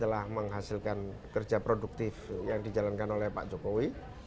telah menghasilkan kerja produktif yang dijalankan oleh pak jokowi